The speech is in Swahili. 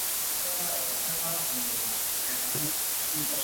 Kulisha wanyama wengine wenye afya viungo vya ndani vya kondoo au mbuzi aliyekufa